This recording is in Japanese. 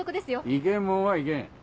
いけんもんはいけん。